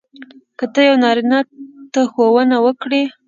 که ته یو نارینه ته ښوونه وکړې.